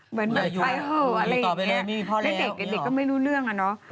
เหมือนไปห่ออะไรอย่างเงี้ยแล้วเด็กก็ไม่รู้เรื่องอะเนาะ